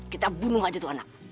kita bunuh aja tuh anak